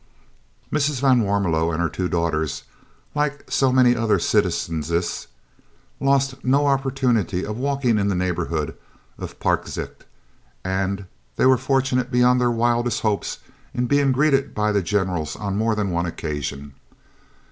Mrs. van Warmelo and her two daughters, like so many other citizenesses, lost no opportunity of walking in the neighbourhood of "Parkzicht," and they were fortunate beyond their wildest hopes in being greeted by the Generals on more than one occasion.